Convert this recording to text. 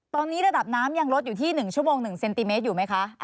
ตอนนี้ระดับน้ำยังลดอยู่ที่๑ชั่วโมง๑เซนติเมตรอยู่ไหมคะ